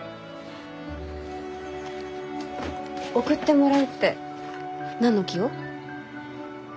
送ってもらうって何の木を？